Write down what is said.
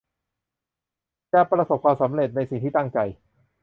จะประสบความสำเร็จในสิ่งที่ตั้งใจ